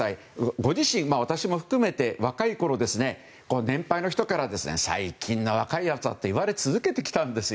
ご自身、私も含めて若いころ、年配の人から最近の若いやつはって言われ続けてきたんですよ。